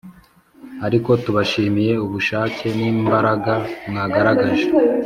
ariko tubashimiye ubushake n’imbaraga mwagaragaje